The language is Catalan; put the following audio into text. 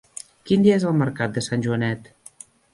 Quin dia és el mercat de Sant Joanet?